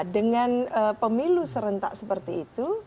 dengan pemilu serentak seperti itu